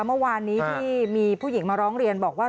เมื่อวานนี้ที่มีผู้หญิงมาร้องเรียนบอกว่า